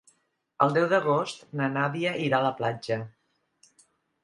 El deu d'agost na Nàdia irà a la platja.